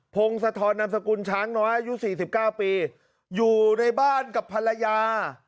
พงศธรนำสกุลช้างน้อยอายุ๔๙ปีอยู่ในบ้านกับภรรยา